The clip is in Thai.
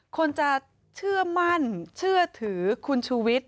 คนจะเชื่อมั่นเชื่อถือคุณชูวิทย์